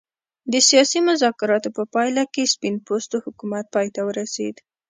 د سیاسي مذاکراتو په پایله کې سپین پوستو حکومت پای ته ورسېد.